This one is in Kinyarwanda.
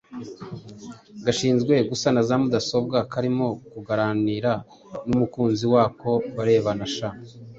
gashinzwe gusana za mudasobwa karimo kuganira n’umukunzi wako barebana sha!